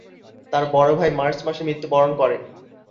তার বড় ভাই মার্চ মাসে মৃত্যুবরণ করে।